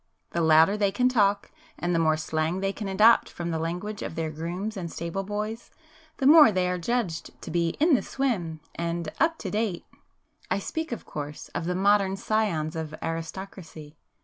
The louder they can talk, and the [p 265] more slang they can adopt from the language of their grooms and stable boys, the more are they judged to be 'in the swim' and 'up to date.' I speak, of course, of the modern scions of aristocracy.